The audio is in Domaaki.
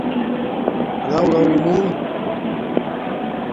رݸرݸ مُون